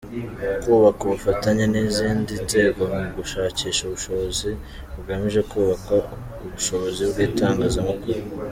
Kubaka ubufatanye n’izindi nzego mu gushakisha ubushobozi bugamije kubaka ubushobozi bw’itangazamakuru ;.